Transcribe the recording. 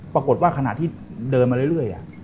ปรากฏว่าขณะที่เดินมาเรื่อย